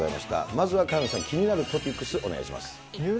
まずは萱野さん、気になるトピックスお願いします。